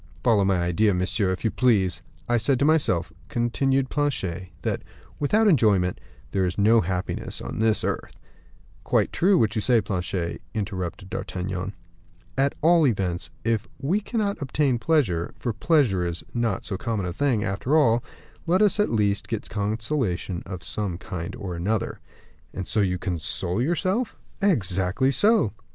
"Follow my idea, monsieur, if you please. I said to myself," continued Planchet, "that, without enjoyment, there is no happiness on this earth." "Quite true, what you say, Planchet," interrupted D'Artagnan. "At all events, if we cannot obtain pleasure for pleasure is not so common a thing, after all let us, at least, get consolations of some kind or another." "And so you console yourself?" "Exactly so."